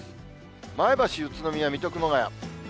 前橋、宇都宮、水戸、熊谷。